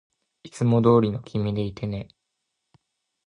いつもどうりの君でいてね